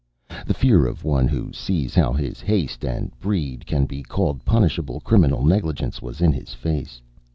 The fear of one who sees how his haste and breed can be called punishable criminal negligence, was in his face.